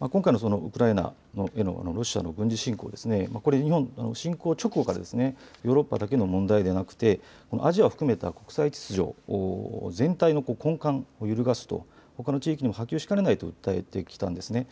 今回のウクライナの世論はロシアの軍事侵攻、これ侵攻直後からヨーロッパだけでの問題ではなくアジアを含めた国際秩序全体の根幹を揺るがすとほかの地域にも波及しかねないと訴えてきたんです。